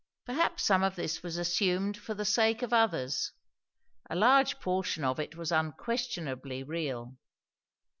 Perhaps some of this was assumed for the sake of others; a large portion of it was unquestionably real.